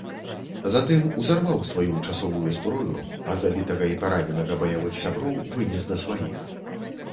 Затым узарваў сваю часовую зброю, а забітага і параненага баявых сяброў вынес да сваіх.